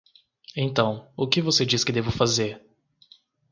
Então, o que você diz que devo fazer?